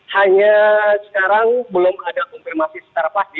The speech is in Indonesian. hanya sekarang belum ada konfirmasi secara pasti